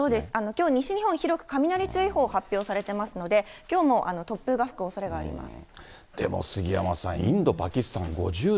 きょう、西日本、広く雷注意報発表されていますので、きょうも突風が吹くおそれがあります。